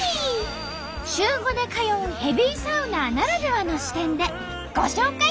週５で通うヘビーサウナーならではの視点でご紹介！